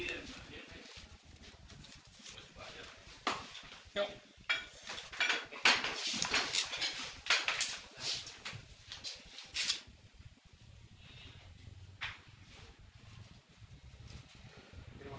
asal tujuannya tercapai